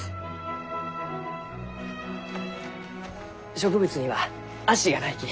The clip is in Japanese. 植物には足がないき。